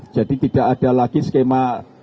jadi tidak ada lagi skema